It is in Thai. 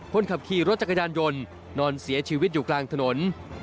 คนขับขี่รถจักรยานยนต์นอนเสียชีวิตอยู่กลางถนน